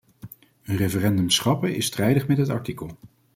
Een referendum schrappen is strijdig met dat artikel.